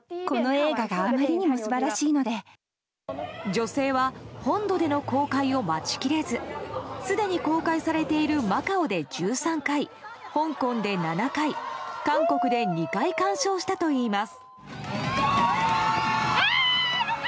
女性は本土での公開を待ち切れずすでに公開されているマカオで１３回香港で７回、韓国で２回鑑賞したといいます。